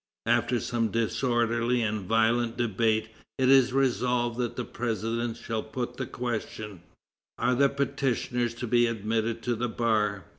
After some disorderly and violent debate, it is resolved that the president shall put the question: Are the petitioners to be admitted to the bar?